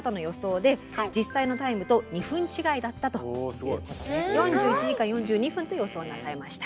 すごい！４１時間４２分と予想なさいました。